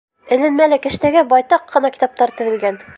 Эленмәле кәштәгә байтаҡ ҡына китаптар теҙелгән.